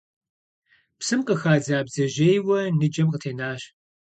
Псым къыхадза бдзэжьейуэ ныджэм къытенащ.